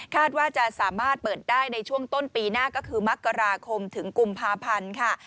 ว่าจะสามารถเปิดได้ในช่วงต้นปีหน้าก็คือมกราคมถึงกุมภาพันธ์ค่ะ